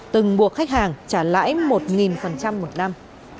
từng buộc khách hàng trả lãi một một năm